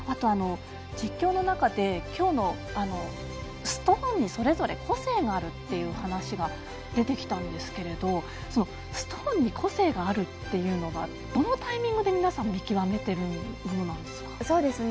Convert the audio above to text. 実況の中で、ストーンにそれぞれ個性があるっていう話が出てきたんですけどもストーンに個性があるっていうのがどのタイミングで皆さん見極めているものなんですか？